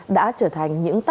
đã trở thành những tác giả